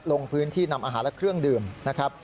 ลงพื้นที่นำอาหารและเครื่องดื่มนะครับ